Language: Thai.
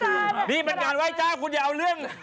นี่มันงานไหว้เจ้าคุณอย่าเอาเรื่อง